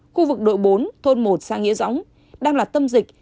khu vực đội bốn thôn một xã nghĩa dõng đang là tâm dịch